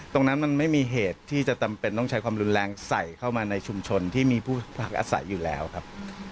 ตรงนั้นมันไม่มีเหตุที่จะจำเป็นต้องใช้ความรุนแรงใส่เข้ามาในชุมชนที่มีผู้พักอาศัยอยู่แล้วครับ